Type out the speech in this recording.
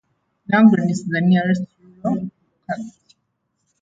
Nagorny is the nearest rural locality.